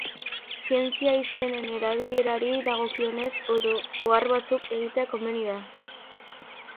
Zientzia izenen erabilerari dagokionez, ohar batzuk egitea komeni da.